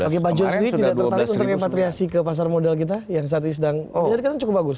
oke pak joesli tidak tertarik untuk repatriasi ke pasar modal kita yang saat ini sedang cukup bagus